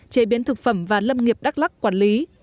chế biến thực phẩm và lâm nghiệp đắk lắc quản lý